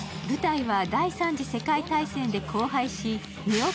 舞台は第三次世界大戦で荒廃しネオ